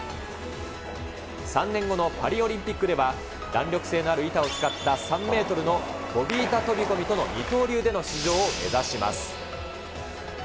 ３年後のパリオリンピックでは、弾力性のある板を使った３メートルの飛板飛込との二刀流での出場を目指します。